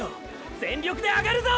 全力で上がるぞ！